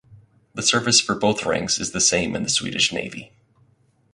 The service for both ranks is the same in the Swedish Navy.